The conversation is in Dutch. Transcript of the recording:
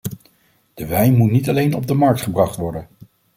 De wijn moet niet alleen op de markt gebracht worden.